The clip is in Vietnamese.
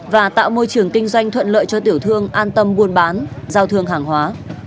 và tạo môi trường kinh doanh thuận lợi cho tiểu thương an tâm buôn bán giao thương hàng hóa